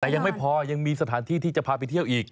แต่ยังไม่พอยังมีสถานที่ที่จะพาไปเที่ยวอีก